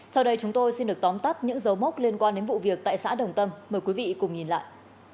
sau đây chúng tôi xin được tóm tắt những dấu mốc liên quan đến vụ việc tại xã đồng tâm mời quý vị cùng nhìn lại